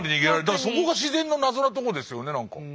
だからそこが自然の謎なとこですよねなんか。